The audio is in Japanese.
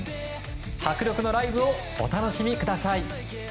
迫力のライブをお楽しみください！